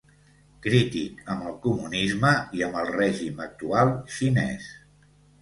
Crític amb el comunisme i amb el règim actual xinès.